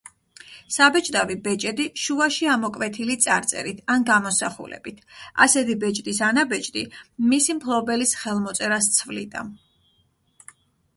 საბეჭდავი ბეჭედი შუაში ამოკვეთილი წარწერით ან გამოსახულებით; ასეთი ბეჭდის ანაბეჭდი მისი მფლობელის ხელმოწერას ცვლიდა.